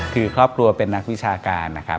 คือครอบครัวเป็นนักวิชาการนะครับ